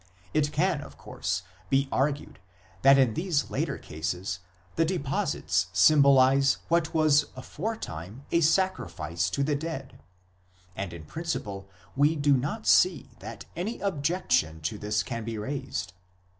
It can, of course, be argued that in these latter cases the deposits symbolize what was aforetime a sacrifice to the dead ; and in principle we do not see that any objection to this can be raised.